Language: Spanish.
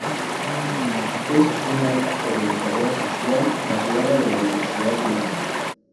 Es una comunicadora social graduada de la Universidad de Lima.